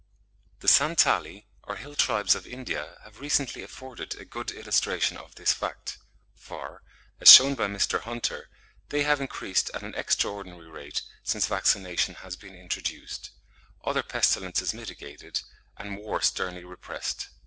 The Santali, or hill tribes of India, have recently afforded a good illustration of this fact; for, as shewn by Mr. Hunter (60. 'The Annals of Rural Bengal,' by W.W. Hunter, 1868, p. 259.), they have increased at an extraordinary rate since vaccination has been introduced, other pestilences mitigated, and war sternly repressed.